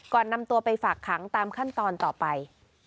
นำตัวไปฝากขังตามขั้นตอนต่อไป